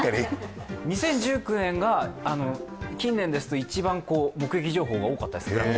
２０１９年が近年ですと目撃情報が一番多かったです。